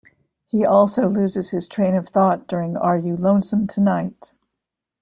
He also loses his train of thought during Are You Lonesome Tonight?